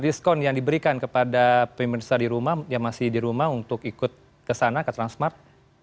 diskon yang diberikan kepada pemirsa di rumah yang masih di rumah untuk ikut ke sana ke transmart